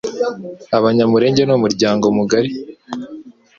Abanyamulenge ni umuryango mugari